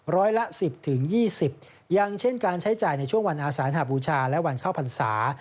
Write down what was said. ร้อยละ๑๐๒๐อย่างเช่นการใช้จ่ายในช่วงวันอาสานหาบูชาและวันเข้าพรรษา